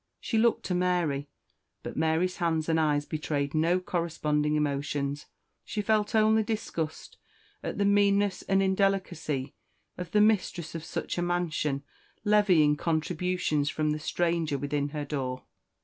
She looked to Mary, but Mary's hands and eyes betrayed no corresponding emotions; she felt only disgust at the meanness and indelicacy of the mistress of such a mansion levying contributions from the stranger within her door.